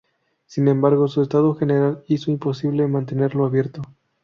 Sin embargo su estado general hizo imposible mantenerlo abierto.